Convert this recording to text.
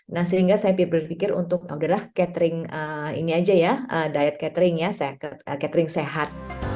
nah sehingga saya berpikir untuk yaudahlah catering ini aja ya diet catering ya catering sehat